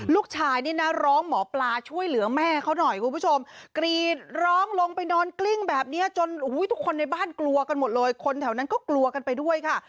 ลูกชายนี่นะร้องหมอปลาช่วยเหลือแม่เขาหน่อยคุณผู้ชมกรีดร้องลงไปนอนกลิ้งแบบนี้จนทุกคนในบ้านกลัวกันหมดเลยคนแถวนั้นก็กลัวกันไปด้วยค่ะ